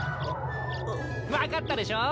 分かったでしょ？